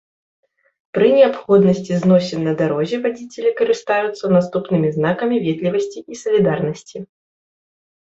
Пры неабходнасці зносін на дарозе вадзіцелі карыстаюцца наступнымі знакамі ветлівасці і салідарнасці.